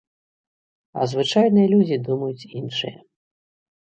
А звычайныя людзі думаюць іншае.